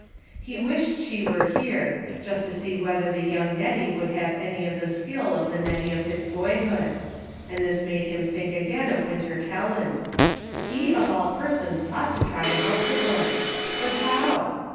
He wished she were here, just to see whether the young Nettie would have any of the skill of the Nettie of his boyhood ; and this made him think again of Winter Kelland ; he of all persons ought to try to help the boy ; but how